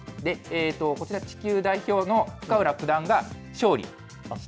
こちら、地球代表の深浦九段が勝利しまして。